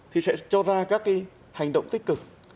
thì sẽ cho ra các cái hành động tích cực